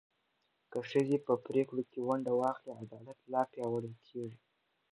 که ښځې په پرېکړو کې ونډه واخلي، عدالت لا پیاوړی کېږي.